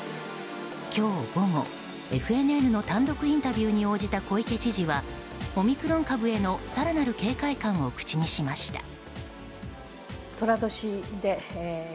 今日午後、ＦＮＮの単独インタビューに応じた小池知事はオミクロン株への更なる警戒感を口にしました。